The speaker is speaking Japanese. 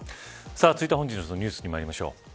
続いて本日のニュースにまいりましょう。